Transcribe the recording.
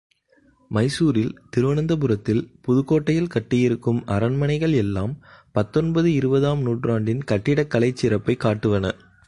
மைசூரில், திருவனந்தபுரத்தில், புதுக்கோட்டையில் கட்டியிருக்கும் அரண்மனைகள் எல்லாம் பத்தொன்பது, இருபதாம் நூற்றாண்டின் கட்டிடக் கலைச் சிறப்பைக் காட்டுவன.